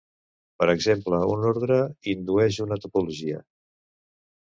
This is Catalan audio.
Per exemple, un ordre indueix una topologia.